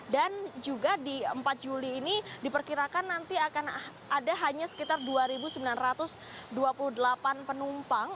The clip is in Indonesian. dan juga di empat juli ini diperkirakan nanti akan ada hanya sekitar dua sembilan ratus dua puluh delapan penumpang